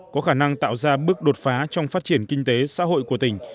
có khả năng tạo ra bước đột phá trong phát triển kinh tế xã hội của tỉnh